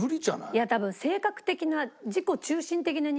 いや多分性格的な。